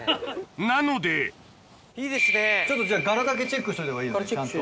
なのでじゃあ柄だけチェックしといたほうがいいよねちゃんと。